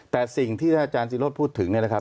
แต่สิ่งที่ท่านอาจารย์ศิรษฐ์พูดถึง